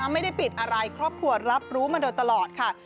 ไม่ได้ปิดอะไรครอบครัวรับรู้มาโดยตลอดค่ะ